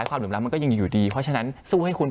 เพราะฉะนั้นทำไมถึงต้องทำภาพจำในโรงเรียนให้เหมือนกัน